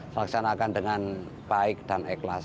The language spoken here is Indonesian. laksanakan dengan baik dan ikhlas